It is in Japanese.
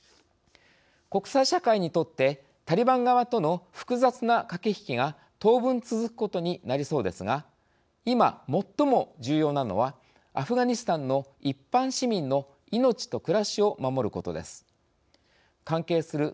国際社会にとってタリバン側との複雑な駆け引きが当分続くことになりそうですが今、最も重要なのはアフガニスタンの一般市民の命と暮らしを守ることです。